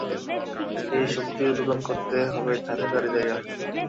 এই শক্তির উদ্বোধন করতে হবে দ্বারে দ্বারে যাইয়া।